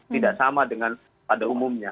tidak sama dengan pada umumnya